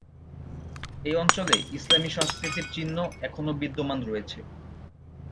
এ অঞ্চলে ইসলামি সংস্কৃতির চিহ্ন এখনও বিদ্যমান রয়েছে।